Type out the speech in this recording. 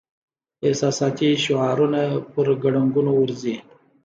احساساتي شعارونه پر ګړنګونو ورځي.